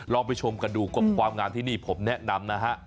ไปชมกันดูความงามที่นี่ผมแนะนำนะฮะ